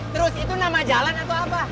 terus itu nama jalan atau apa